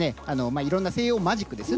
いろんな西洋マジックですよね